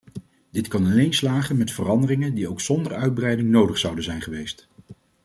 Dit kan alleen slagen met veranderingen die ook zonder uitbreiding nodig zouden zijn geweest.